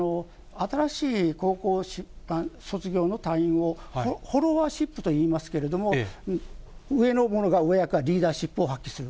新しい、高校卒業後の隊員を、フォロワーシップといいますけれども、上の者が、上役がリーダーシップを発揮する。